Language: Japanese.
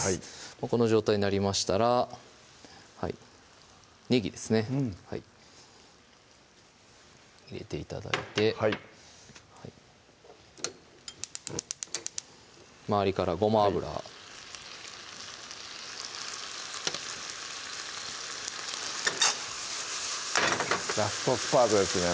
この状態になりましたらねぎですね入れて頂いてはい周りからごま油ラストスパートですね